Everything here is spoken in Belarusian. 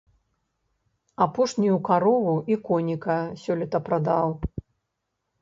Апошнюю карову і коніка сёлета прадаў.